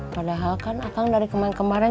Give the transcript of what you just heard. padahal kan akang dari kemarin kemarin